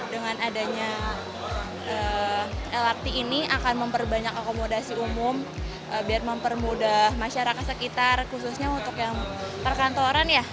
dengan adanya lrt ini akan memperbanyak akomodasi umum biar mempermudah masyarakat sekitar khususnya untuk yang perkantoran ya